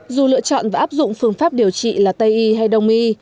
dù lựa chọn và áp dụng phương pháp điều trị là tây y hay đông y